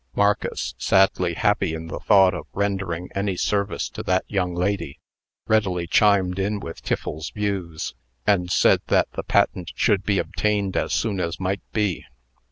Marcus, sadly happy in the thought of rendering any service to that young lady, readily chimed in with Tiffles's views, and said that the patent should be obtained as soon as might be.